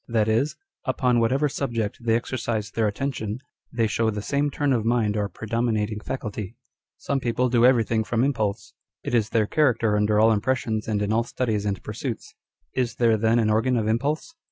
That is, upon whatever subject they exercise their attention, they show the same turn of mind or predominating faculty. Some people do 1 Page 273. p 2 212 On Dr. Spurzlieims Tlieory. everything from impulse. It is their character under all impressions and in all studies and pursuits. Is there then an organ of impulse